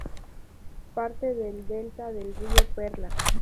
Parte del Delta del Río Perla.